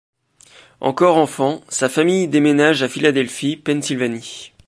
Encore enfant, sa famille déménage a Philadelphie, Pennsylvanie.